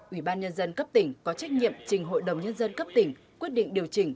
ủy ban nhân dân cấp tỉnh có trách nhiệm trình hội đồng nhân dân cấp tỉnh quyết định điều chỉnh